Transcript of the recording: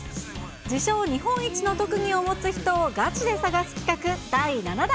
自称、日本一の特技を持つ人をガチで探す企画第７弾。